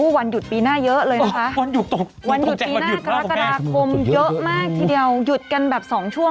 อุ๊ยเรายุ่งเร็วกันแล้ว